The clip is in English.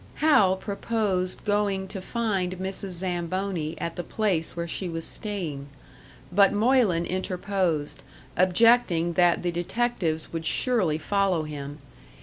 Hal proposed going to find Mrs. Zamboni at the place where she was staying; but Moylan interposed, objecting that the detectives would surely follow him.